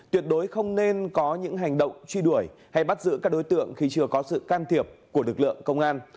tuyệt đối không nên có những hành động truy đuổi hay bắt giữ các đối tượng khi chưa có sự can thiệp của lực lượng công an